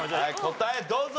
答えどうぞ。